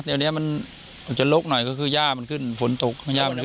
เดี๋ยวนี้มันอาจจะลกหน่อยก็คือย่ามันขึ้นฝนตกย่ามันขึ้น